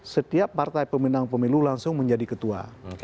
setiap partai pemenang pemilu langsung menjadi ketua